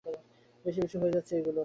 বেশিবেশি হয়ে যাচ্ছে এগুলো।